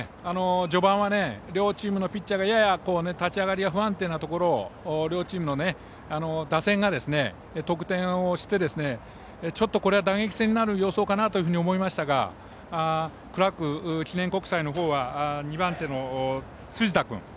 序盤は両チームのピッチャーがやや立ち上がりが不安定なところを両チームの打線が得点をしてちょっとこれは、打撃戦になる様相かなと思いましたがクラーク記念国際のほうは２番手の辻田君